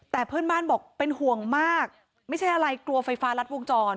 แต่เพื่อนบ้านบอกเป็นห่วงมากไม่ใช่อะไรกลัวไฟฟ้ารัดวงจร